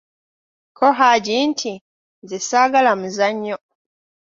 Ko Haji nti:"nze saagala muzanyo"